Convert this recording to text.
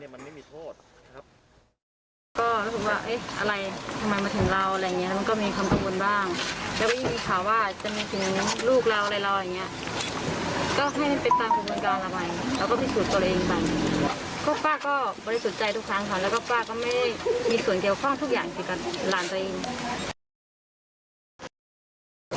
ป้าก็บริสุทธิ์ใจทุกครั้งค่ะและไม่มีส่วนเกี่ยวข้องทุกอย่างในกับหลานตัวเอง